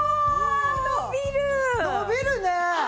伸びるね！